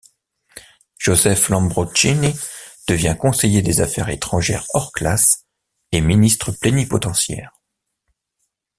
Joseph Lambroschini devient conseiller des Affaires étrangères hors classe et ministre plénipotentiaire.